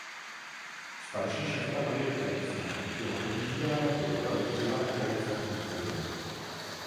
Starší šachta Marie Pomocná byla používána pro dopravu dřeva a pomocného materiálu.